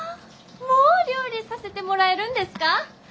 もう料理させてもらえるんですか？